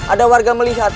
ada warga melihat